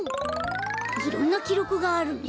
いろんなきろくがあるね。